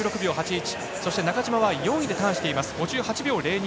そして中島は４位でターン５８秒０２。